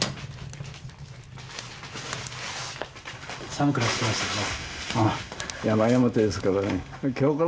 寒くなってきましたね。